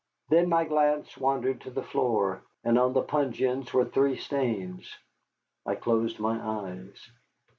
Then my glance wandered to the floor, and on the puncheons were three stains. I closed my eyes.